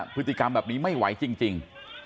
พฤติกรรมแบบนี้ไม่ไหวจริง